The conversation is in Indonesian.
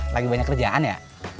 lagi banyak kerjaan ya